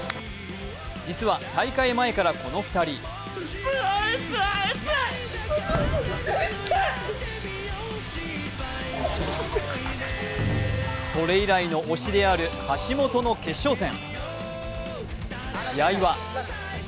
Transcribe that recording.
実は大会前からこの２人それ以来の推しである橋本の決勝戦。